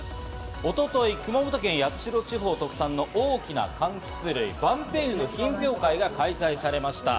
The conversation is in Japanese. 一昨日、熊本県八代地方特産の大きな柑橘類・バンペイユの品評会が開催されました。